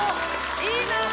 いいなぁ。